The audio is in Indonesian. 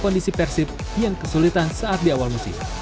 kondisi persib yang kesulitan saat di awal musim